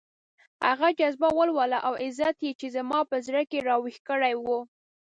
هغه جذبه، ولوله او عزت يې چې زما په زړه کې راويښ کړی وو.